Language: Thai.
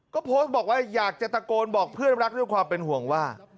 ก็โพสต์บอกว่าอยากจะตะโกนบอกเพื่อนรักด้วยความเป็นห่วงว่า